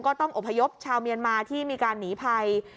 ต้องอบพยพชาวเมียนมาที่มีการหนีภัย